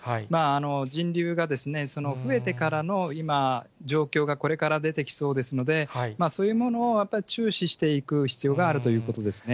人流が増えてからの今、状況がこれから出てきそうですので、そういうものをやっぱり注視していく必要があるということですね。